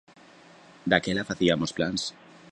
Daquela faciamos plans.